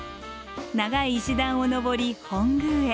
長い石段を上り本宮へ。